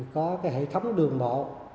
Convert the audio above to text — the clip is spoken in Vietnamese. có cái hệ thống đường bộ